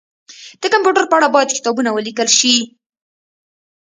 د کمپيوټر په اړه باید کتابونه ولیکل شي